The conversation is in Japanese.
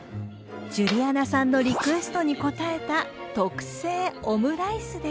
ジュリアナさんのリクエストに応えた特製オムライスです。